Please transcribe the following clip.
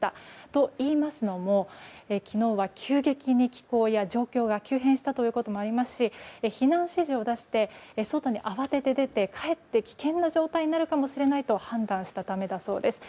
といいますのも昨日は急激に気候や状況が急変したということもありますし避難指示を出して外に慌てて出てかえって危険な状態になるかもしれないと判断したためだそうです。